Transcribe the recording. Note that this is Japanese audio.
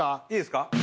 いいですか？